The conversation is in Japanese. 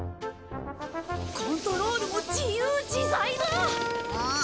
コントロールも自由自在だ！あっ。